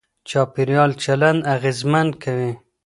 چاپېريال چلند اغېزمن کوي.